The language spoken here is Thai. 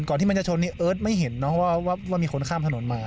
แต่ก่อนที่มันจะชนเนี่ยเอิร์ทไม่เห็นเนาะว่ามีคนข้ามถนนมา